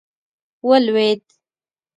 ولوېد.